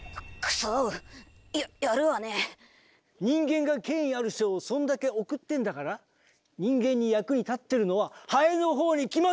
人間が権威ある賞をそんだけ贈ってんだから人間に役に立ってるのはハエのほうに決まってんだろ！